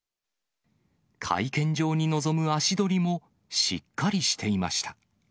会見場に臨む足取りも、しっかりしていました。